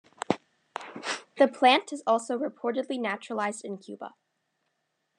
The plant is also reportedly naturalized in Cuba.